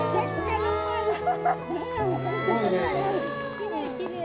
きれいきれい。